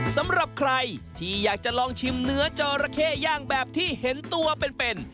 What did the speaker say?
สำหรับใครที่อยากจะลองชิมเนื้อจอระเข้ย่างแบบที่เห็นตัวเป็น